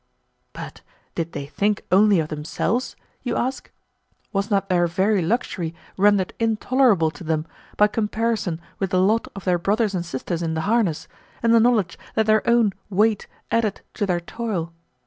But did they think only of themselves? you ask. Was not their very luxury rendered intolerable to them by comparison with the lot of their brothers and sisters in the harness, and the knowledge that their own weight added to their toil?